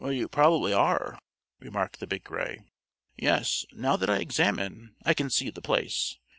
"You probably are," remarked the Big Gray. "Yes, now that I examine, I can see the place.